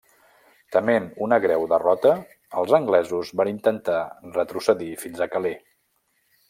Tement una greu derrota, els anglesos van intentar retrocedir fins a Calais.